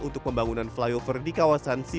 untuk pembangunan flyover di kawasan